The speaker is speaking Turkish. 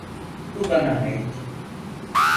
Bu bana ait.